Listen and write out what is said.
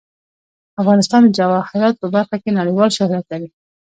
افغانستان د جواهرات په برخه کې نړیوال شهرت لري.